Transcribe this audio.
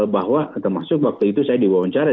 bahwa termasuk waktu itu saya diwawancara